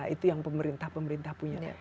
itu yang pemerintah pemerintah punya